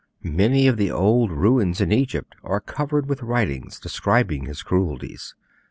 Many of the old ruins in Egypt are covered with writings describing his cruelties.